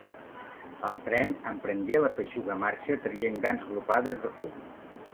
El tren emprengué la feixuga marxa traient grans glopades de fum.